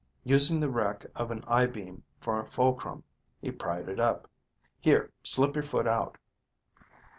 Using the wreck of an I beam for a fulcrum, he pried it up. "There, slip your foot out."